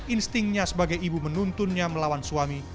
instingnya sebagai ibu menuntunnya melawan suami